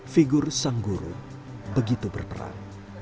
figur sang guru begitu berperan